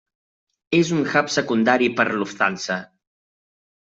És un hub secundari per a Lufthansa.